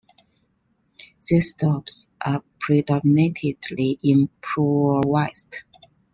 These stops are predominantly improvised.